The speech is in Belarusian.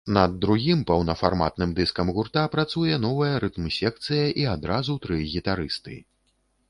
Над другім паўнафарматным дыскам гурта працуе новая рытм-секцыя і адразу тры гітарысты.